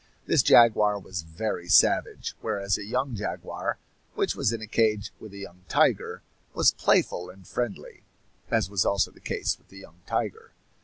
This jaguar was very savage; whereas a young jaguar, which was in a cage with a young tiger, was playful and friendly, as was also the case with the young tiger.